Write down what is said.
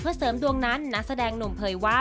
เสริมดวงนั้นนักแสดงหนุ่มเผยว่า